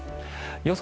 予想